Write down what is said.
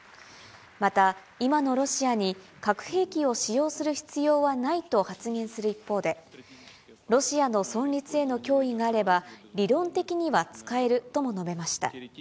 また、今のロシアに核兵器を使用する必要はないと発言する一方で、ロシアの存立への脅威があれば、理論的には使えるとも述べました。